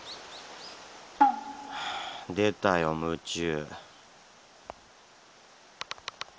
はぁ出たよ夢中。